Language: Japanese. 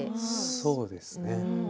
そうですね。